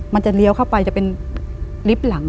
มันจะเลี้ยวเข้าไปจะเป็นลิฟต์หลัง